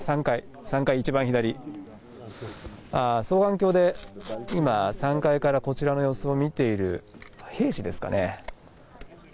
双眼鏡で今、３階からこちらの様子を見ている兵士ですかね。